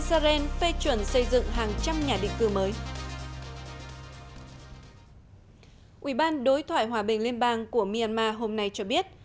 ủy ban đối thoại hòa bình liên bang của myanmar hôm nay cho biết hội nghị hòa bình phan long thế kỷ hai mươi một nhất trí sẽ tiếp tục xem xét khuôn khổ đối thoại chính trị và bắt đầu đối thoại các quốc gia ngay sau hội nghị này